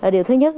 điều thứ nhất